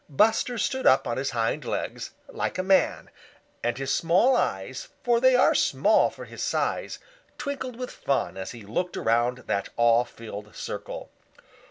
Buster stood up on his hind legs, like a man, and his small eyes, for they are small for his size, twinkled with fun as he looked around that awe filled circle.